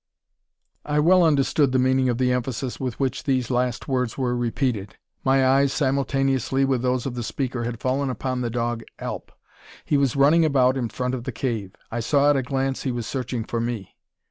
I well understood the meaning of the emphasis with which these last words were repeated. My eyes, simultaneously with those of the speaker, had fallen upon the dog Alp. He was running about in front of the cave. I saw at a glance he was searching for me.